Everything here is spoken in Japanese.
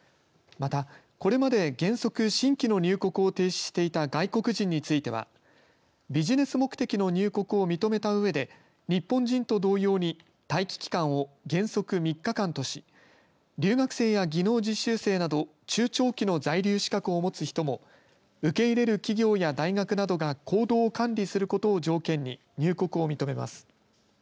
また、これまで原則新規の入国を停止していた外国人についてはビジネス目的の入国を認めたうえで日本人と同様に待機期間を原則３日間とし、留学生や技能実習生など中長期の在留資格を持つ人も受け入れる企業や大学などが行動を管理することを条件に入国を認めます。